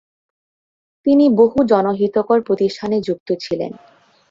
তিনি বহু জনহিতকর প্রতিষ্ঠানে যুক্ত ছিলেন।